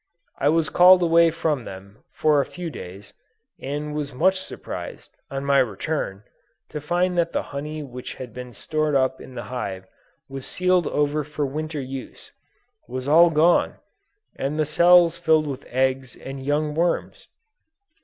I was called away from them, for a few days, and was much surprised, on my return, to find that the honey which had been stored up in the hive and sealed over for Winter use, was all gone, and the cells filled with eggs and young worms!